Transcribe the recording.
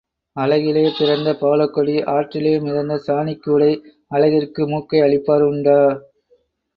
அழகிலே பிறந்த பவளக்கொடி, ஆற்றிலே மிதந்த சாணிக் கூடை அழகிற்கு மூக்கை அழிப்பார் உண்டா?